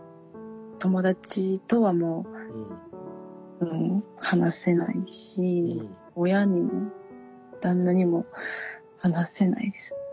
友達とはもう話せないし親にも旦那にも話せないです。